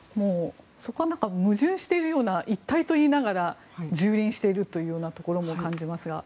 そこは矛盾しているような一体と言いながら蹂躙しているところも感じますが。